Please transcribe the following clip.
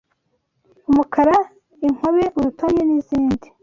umukara, inkobe, urutoni n’izindi